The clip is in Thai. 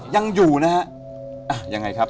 ยังอยู่นะฮะยังไงครับ